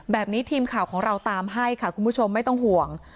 ทีมข่าวของเราตามให้ค่ะคุณผู้ชมไม่ต้องห่วง